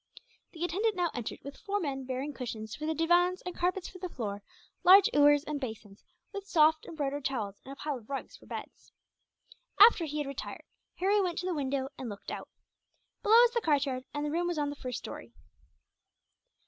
The attendant now entered, with four men bearing cushions for the divans and carpets for the floor, large ewers and basins, with soft, embroidered towels, and a pile of rugs for beds. After he had retired, Harry went to the window and looked out. Below was the courtyard, and the room was on the first story.